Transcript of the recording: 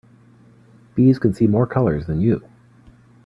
Bees can see more colors than you.